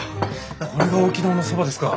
これが沖縄のそばですか。